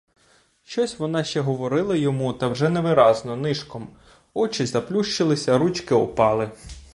Щось вона ще говорила йому, та вже невиразно, нишком; очі заплющилися, ручки опали.